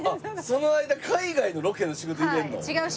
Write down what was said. その間海外のロケの仕事を入れるの？